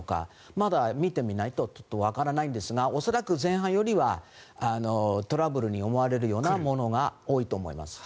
まだ見てみないとわからないんですが恐らく前半よりはトラブルに思われるようなものが多いと思います。